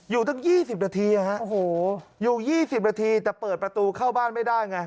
อยู่ตั้ง๒๐นาทีอยู่๒๐นาทีแต่เปิดประตูเข้าบ้านไม่ได้ไง